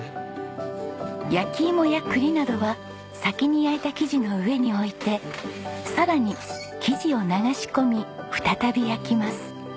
焼き芋や栗などは先に焼いた生地の上に置いてさらに生地を流し込み再び焼きます。